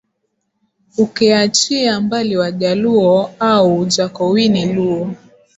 Ukiachia mbali Wajaluo au Jakowiny Luo